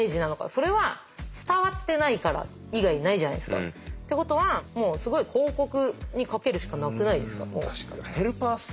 それは伝わってないから以外ないじゃないですか。ってことはもうすごい広告にかけるしかなくないですか？